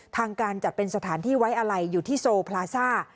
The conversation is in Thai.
ทางการจัดเป็นสถานที่ไว้อะไรอยู่ที่โซพลาซ่า